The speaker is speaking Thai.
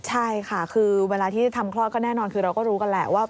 ใช่ค่ะคือเวลาที่ทำคลอดก็แน่นอนคือเราก็รู้กันแหละว่า